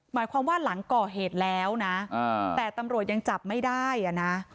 หมายความว่าหลังก่อเหตุแล้วนะแต่ตำรวจยังจับไม่ได้อ่ะนะ